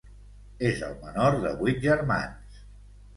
És el menor de vuit germans.